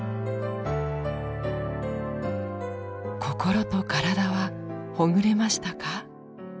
心と体はほぐれましたか？